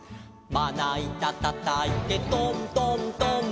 「まないたたたいてトントントン」